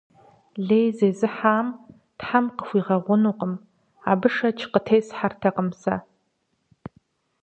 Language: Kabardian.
Лей зезыхьам Тхьэм къыхуигъэгъунукъым – абы шэч къытесхьэртэкъым сэ.